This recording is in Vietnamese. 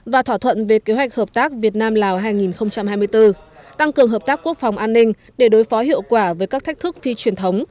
và thỏa thuận về kế hoạch hợp tác việt nam lào hai nghìn hai mươi bốn tăng cường hợp tác quốc phòng an ninh để đối phó hiệu quả với các thách thức phi truyền thống